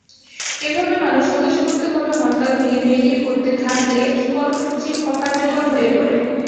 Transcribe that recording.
এভাবে মানুষ স্বতঃস্ফূর্তভাবে হরতাল ভেঙে বেরিয়ে পড়তে থাকলে কর্মসূচি অকার্যকর হয়ে পড়ে।